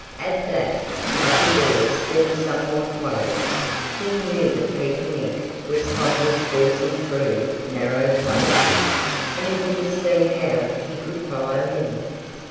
At that, Cuffy Bear seemed somewhat worried. He knew that Peter Mink was fond of squeezing through narrow places; and he didn't see how he could follow him.